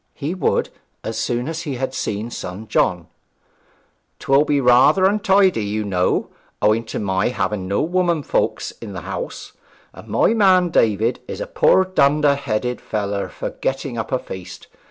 He would, as soon as he had seen son John. ''Twill be rather untidy, you know, owing to my having no womenfolks in the house; and my man David is a poor dunder headed feller for getting up a feast.